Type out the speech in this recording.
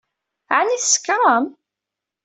Ɛni tsekṛem?